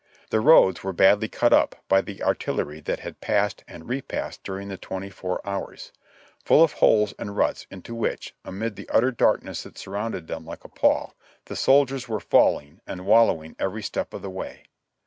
The roads were badly cut up by the artillery that had passed and repassed during the twenty four hours ; full of holes and ruts, into which, amid the utter darkness that surrounded them like a pall, the soldiers were falling and wallowing every step of the way.